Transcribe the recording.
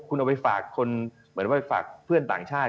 คุณเอาไปฝากคนเหมือนว่าไปฝากเพื่อนต่างชาติ